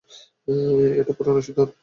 এটা পুরানো পদ্ধতি।